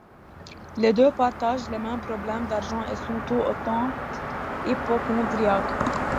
Les deux partagent les mêmes problèmes d'argent et sont tout autant hypocondriaques.